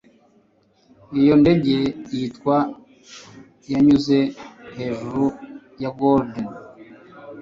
iyo ndege yitwa yanyuze hejuru ya golden